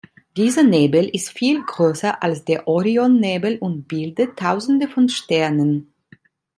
Dieser Nebel ist viel größer als der Orionnebel und bildet tausende von Sternen.